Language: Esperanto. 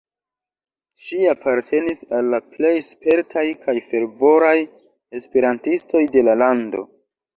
Ŝi apartenis al la plej spertaj kaj fervoraj esperantistoj de la lando".